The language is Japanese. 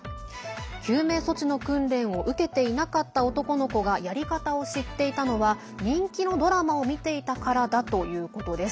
救命措置の訓練を受けていなかった男の子がやり方を知っていたのは人気のドラマを見ていたからだということです。